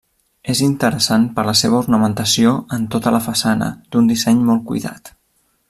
És interessant per la seva ornamentació, en tota la façana, d'un disseny molt cuidat.